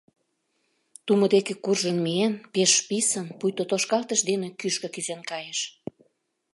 Тумо деке куржын миен, пеш писын, пуйто тошкалтыш дене кӱшкӧ кӱзен кайыш.